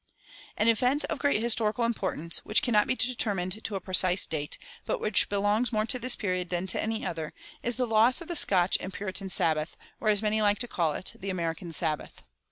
An event of great historical importance, which cannot be determined to a precise date, but which belongs more to this period than to any other, is the loss of the Scotch and Puritan Sabbath, or, as many like to call it, the American Sabbath.